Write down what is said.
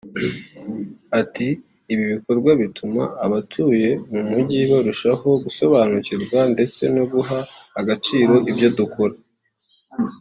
Ati “Ibi bikorwa bituma abatuye mu mujyi barushaho gusobanukirwa ndetse no guha agaciro ibyo dukora